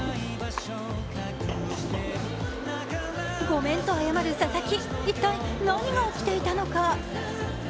ごめんと謝る佐々木、一体何が起きていたのか。